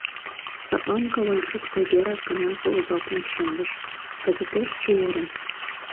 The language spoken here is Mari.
Садлан Ковальчук тыгерак гына возалтен шындыш: «Кызытеш чеверын.